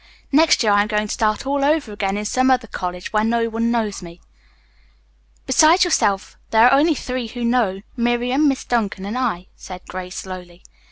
Next year I am going to start all over again in some other college where no one knows me." "Besides yourself, there are only three who know, Miriam, Miss Duncan and I," said Grace slowly.